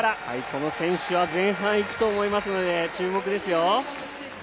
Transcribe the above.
この選手は前半いくと思いますので、注目ですよ。